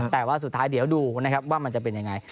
แต่ว่าสุดท้ายเดี๋ยวดูนะครับว่ามันจะเป็นยังไง